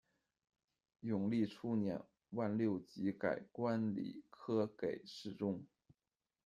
永历初年，万六吉改官礼科给事中。